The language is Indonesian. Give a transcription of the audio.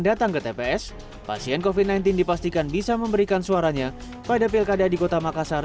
datang ke tps pasien kofi sembilan belas dipastikan bisa memberikan suaranya pada pilkada di kota makassar